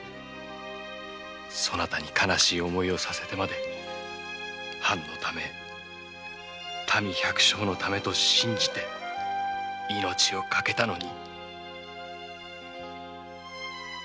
そなたに悲しい思いをさせてまで藩のため民百姓のためと信じて命を賭けたのに。